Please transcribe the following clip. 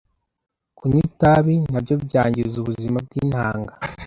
Kunywa itabi nabyo byangiza ubuzima bw’intanga